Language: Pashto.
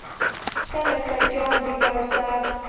تۀ لکه جام د کوثر !